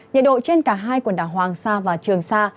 nhiệt độ trên cả hai quần đảo hoàng sa và trường sa